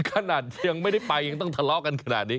ขนาดยังไม่ได้ไปยังต้องทะเลาะกันขนาดนี้